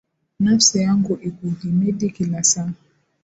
Nafsi yangu ikuhimidi kila saa .